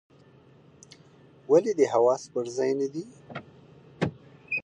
ولي دي حواس پر ځای نه دي ؟